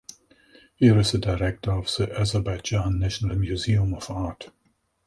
He is the director of the Azerbaijan National Museum of Art.